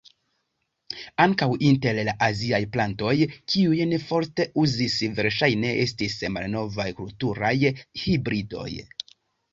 Ankaŭ inter la aziaj plantoj, kiujn Foster uzis verŝajne estis malnovaj kulturaj hibridoj.